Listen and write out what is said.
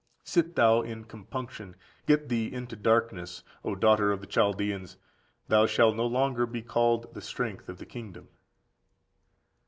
Sit thou in compunction, get thee into darkness, O daughter of the Chaldeans: thou shalt no longer be called the strength of the kingdom.